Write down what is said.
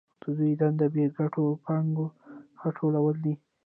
د دوی دنده د بې ګټو پانګو راټولول دي